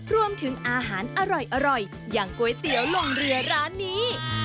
รวมถึงอาหารอร่อยอย่างก๋วยเตี๋ยวลงเรือร้านนี้